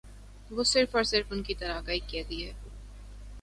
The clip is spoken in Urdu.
وہ صرف اور صرف ان کی طرح کا ایک قیدی ہے ا